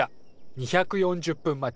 ２４０分待ち。